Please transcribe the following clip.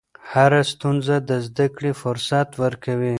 هره ستونزه د زدهکړې فرصت ورکوي.